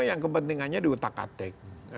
yang kepentingannya di utak atik